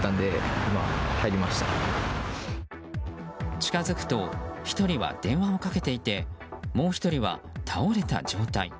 近づくと１人は電話をかけていてもう１人は倒れた状態。